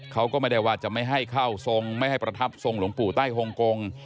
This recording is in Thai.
เขาก็ไม่ได้ว่าจะไม่ให้เข้าทรงไม่ให้ประทับทรงหลวงปู่ใต้ฮงกง